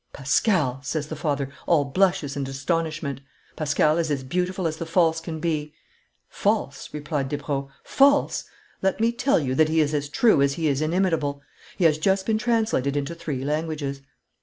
'Pascal,' says the father, all blushes and astonishment; 'Pascal is as beautiful as the false can be.' 'False,' replied Despreaux: 'false! Let me tell you that he is as true as he is inimitable; he has just been translated into three languages.